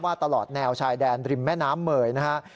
ว่าตลอดแนวชายแดนริมแม่น้ำเหม่ยนะครับ